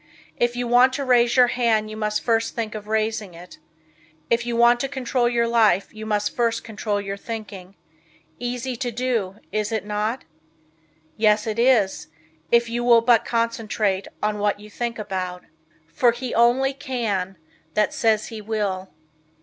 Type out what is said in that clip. If you want to raise your hand you must first think of raising it. If you want to control your life you must first control your thinking. Easy to do, is it not? Yes it is, if you will but concentrate on what you think about. For he only can That says he will.